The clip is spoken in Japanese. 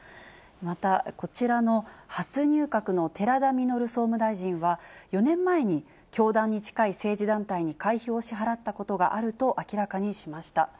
また、こちらの初入閣の寺田稔総務大臣は、４年前に、教団に近い政治団体に会費を支払ったことがあると明らかにしました。